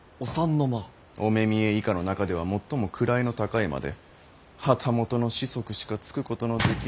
御目見以下の中では最も位の高い間で旗本の子息しかつくことのできぬ。